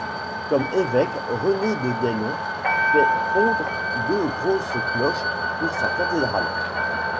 Comme évêque, René de Daillon fait fondre deux grosses cloches pour sa cathédrale.